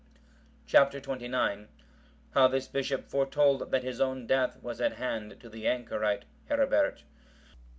Chap. XXIX. How this bishop foretold that his own death was at hand to the anchorite Herebert.